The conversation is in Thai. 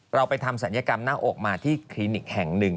เราไปทำศัลยกรรมหน้าอกมาที่คลินิกแห่งหนึ่ง